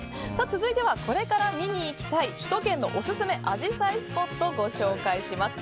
続いてはこれから見に行きたい首都圏のオススメアジサイスポットをご紹介します。